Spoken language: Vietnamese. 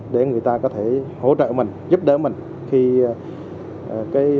để người ta có thể hỗ trợ mình giúp đỡ mình khi có tình huống cháy nổ xảy ra